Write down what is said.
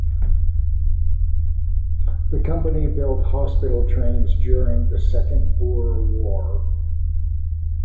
The company built hospital trains during the Second Boer War.